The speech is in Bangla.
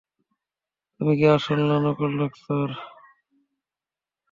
তুমি কি আসল না নকল ডাক্তার?